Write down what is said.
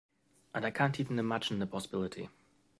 And I can't even imagine the possibility.